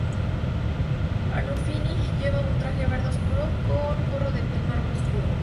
Arnolfini lleva un traje verde oscuro, con forro de piel marrón oscuro.